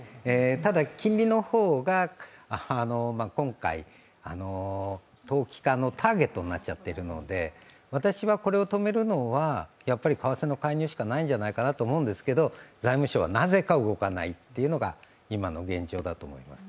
ただ、金利の方が今回投機家のターゲットになっちゃっているので私はこれを止めるのはやっぱり為替の介入しかないんじゃないかなと思うんですけど財務省はなぜか動かないというのが今の現状だと思います。